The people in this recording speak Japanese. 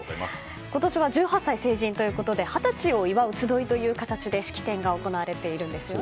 今年は１８歳成人ということで二十歳を祝う集いという形で式典が行われているんですよね。